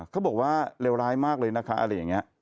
เขาบอกว่าเลวร้ายมากเลยนะคะอะไรอย่างนี้